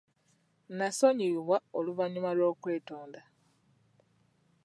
Nasonyiyibwa oluvannyuma lw'okwetonda.